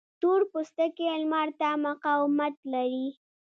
تور پوستکی لمر ته مقاومت لري